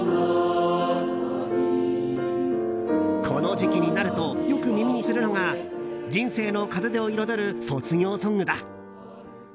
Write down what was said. この時期になるとよく耳にするのが人生の門出を彩る卒業ソングだ。